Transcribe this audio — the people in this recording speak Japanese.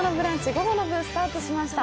午後の部スタートしました。